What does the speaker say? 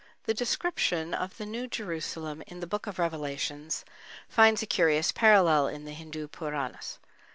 The description of the New Jerusalem in the book of Revelations finds a curious parallel in the Hindu Puranas.